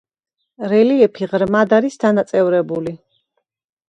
რელიეფი ღრმად არის დანაწევრებული.